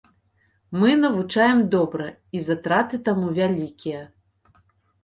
Мы навучаем добра і затраты таму вялікія.